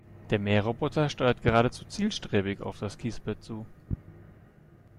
Der Mähroboter steuert geradezu zielstrebig auf das Kiesbett zu.